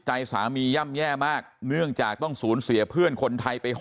ใจสามีย่ำแย่มากเนื่องจากต้องสูญเสียเพื่อนคนไทยไป๖๐